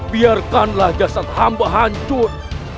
biarkanlah jasad hamba hancur